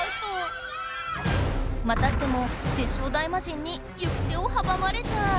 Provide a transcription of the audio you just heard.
またしてもテッショウ大魔神に行く手をはばまれた。